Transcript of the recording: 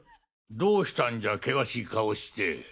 どうしたんじゃ険しい顔して。